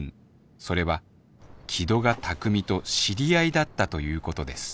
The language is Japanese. それは木戸が卓海と知り合いだったということです